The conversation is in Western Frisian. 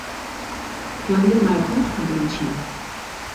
Hja liet my it hûs fan binnen sjen.